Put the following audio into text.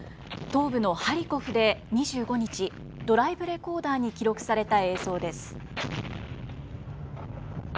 東部のハリコフで、２５日ドライブレコーダーに記録された映像です。